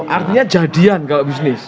artinya jadian kalau bisnis